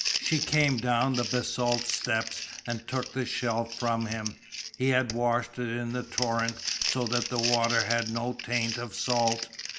She came down the basalt steps and took the shell from him. He had washed it in the torrent so that the water had no taint of salt.